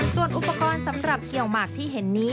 ส่วนอุปกรณ์สำหรับเกี่ยวหมากที่เห็นนี้